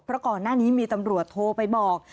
เพราะก่อนหน้านี้มีตำรวจโทรไปบอก